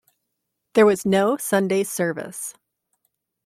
There was no Sunday service.